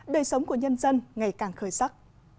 đời sống của nhân dân ngày càng khởi sắc